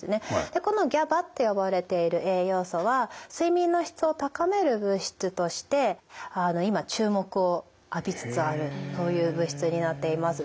でこのＧＡＢＡって呼ばれている栄養素は睡眠の質を高める物質として今注目を浴びつつあるという物質になっています。